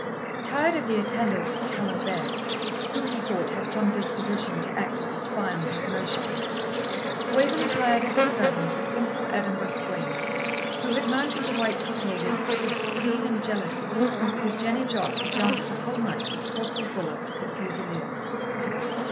Tired of the attendance of Callum Beg, who, he thought, had some disposition to act as a spy on his motions, Waverley hired as a servant a simple Edinburgh swain, who had mounted the white cockade in a fit of spleen and jealousy, because Jenny Jop had danced a whole night with Corporal Bullock of the Fusileers.